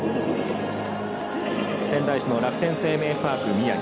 仙台市の楽天生命パーク宮城。